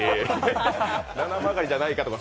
ななまがりじゃないかとか。